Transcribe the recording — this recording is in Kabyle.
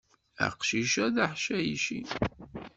Aqcic-a d aḥcayci.